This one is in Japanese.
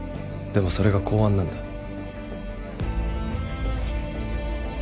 でもそれが公安なんだ。